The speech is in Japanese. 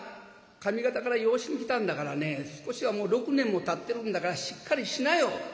上方から養子に来たんだからね少しはもう６年もたってるんだからしっかりしなよ」。